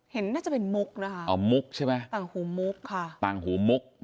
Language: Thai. เห็นน่าจะเป็นมุกนะฮะต่างหูมุกค่ะ